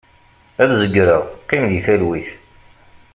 Ad zegreɣ, qqim di talwit.